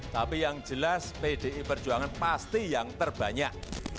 tapi yang jelas pdi perjuangan pasti yang terbanyak